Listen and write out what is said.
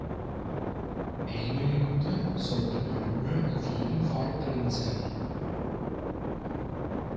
Eine Minute sollte bei Ruhe auf jeden Fall drin sein.